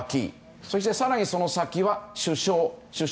そして更にその先は首相。